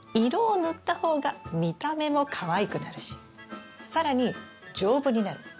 色を塗った方が見た目もかわいくなるし更に丈夫になる。